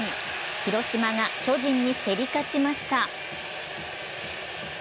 広島が巨人に競り勝ちました。